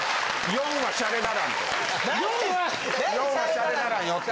４はシャレならんよって。